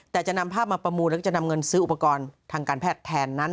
แต่จะนำภาพมาประมูลแล้วก็จะนำเงินซื้ออุปกรณ์ทางการแพทย์แทนนั้น